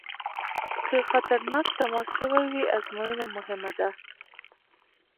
که خطرناک تماس شوی وي ازموینه مهمه ده.